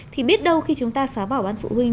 thì biết đâu khi chúng ta xóa bỏ bán phụ huynh